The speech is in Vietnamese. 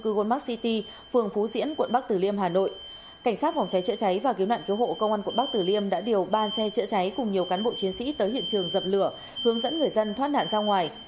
cảnh sát phòng cháy chữa cháy và cứu nạn cứu hộ công an quận bắc tử liêm đã điều ban xe chữa cháy cùng nhiều cán bộ chiến sĩ tới hiện trường dập lửa hướng dẫn người dân thoát nạn ra ngoài